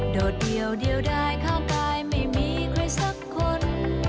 โดดเดียวได้เข้าไปไม่มีใครสักคน